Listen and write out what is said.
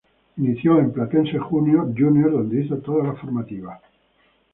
Inició en Platense Junior donde hizo todas las formativas.